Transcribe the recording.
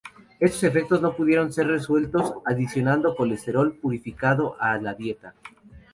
Estos defectos no pudieron ser resueltos adicionando colesterol purificado a la dieta.